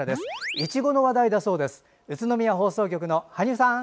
いちごの話題だそうです。